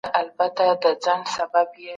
د پوهې مشال بل کړئ.